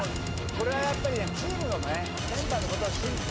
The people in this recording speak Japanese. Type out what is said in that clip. これはやっぱりねチームのねメンバーのことを信じて。